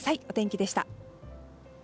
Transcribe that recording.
お天気でした。